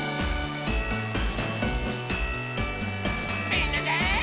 みんなで。